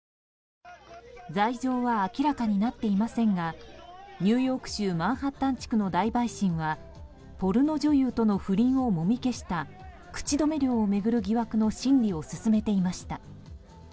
罪状は明らかになっていませんがニューヨーク州マンハッタン地区の大陪審はポルノ女優との不倫をもみ消した口止め料を巡る疑惑の審理を進めていました。